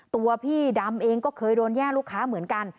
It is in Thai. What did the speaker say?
ตัวพี่ดำเองก็เคยโดนแย่ลูกค้าเหมือนกัน